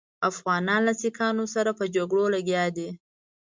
افغانان له سیکهانو سره په جګړو لګیا دي.